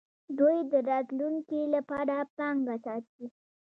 دوی د راتلونکي لپاره پانګه ساتي.